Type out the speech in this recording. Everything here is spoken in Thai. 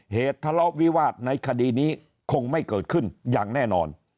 เหตุทะเลาะวิวาสในคดีนี้คงไม่เกิดขึ้นอย่างแน่นอน